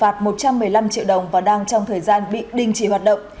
trong một mươi năm triệu đồng và đang trong thời gian bị đình chỉ hoạt động